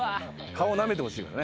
顔なめてほしいからね。